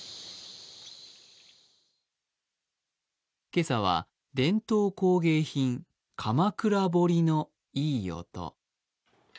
今朝は伝統工芸品、鎌倉彫のいい音。